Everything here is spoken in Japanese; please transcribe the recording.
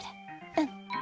うん。